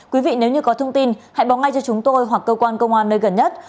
quý vị nếu như có thông tin hãy báo ngay cho chúng tôi hoặc cơ quan công an nơi gần nhất